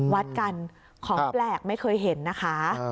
วัดกันของแปลกไม่เคยเห็นนะคะ